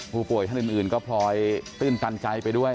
ผู้ป่วยท่านอื่นก็พลอยตื้นตันใจไปด้วย